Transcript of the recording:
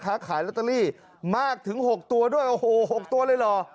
ค้าขายลอตเตอรี่มากถึง๖ตัวด้วยโอ้โห๖ตัวเลยเหรอ